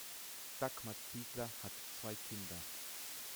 Dagmar Ziegler hat zwei Kinder.